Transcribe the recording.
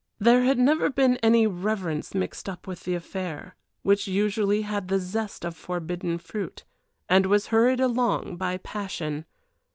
There had never been any reverence mixed up with the affair, which usually had the zest of forbidden fruit, and was hurried along by passion.